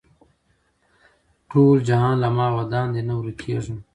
ټول جهان له ما ودان دی نه ورکېږم